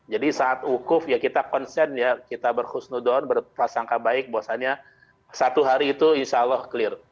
jadi saat wukuf ya kita konsen ya kita berhusnudon berpasangka baik bahwasannya satu hari itu insya allah clear